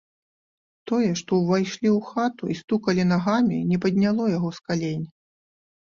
Тое, што ўвайшлі ў хату і стукалі нагамі, не падняло яго з калень.